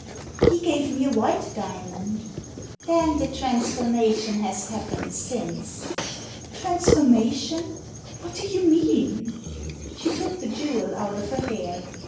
He gave me a white diamond." "Then the transformation has happened since." " Transformation ? What do you mean ?" She took the jewel out of her hair.